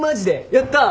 やったぁ！